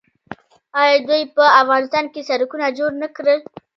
آیا دوی په افغانستان کې سړکونه جوړ نه کړل؟